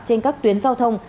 trên các tuyến giao thông